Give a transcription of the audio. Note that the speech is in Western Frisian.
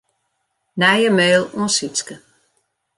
Nije mail oan Sytske.